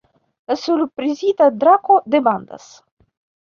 La surprizita drako demandas.